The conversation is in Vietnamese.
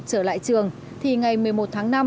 trở lại trường thì ngày một mươi một tháng năm